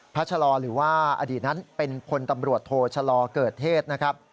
ชะลอหรือว่าอดีตนั้นเป็นพลตำรวจโทชะลอเกิดเทศนะครับ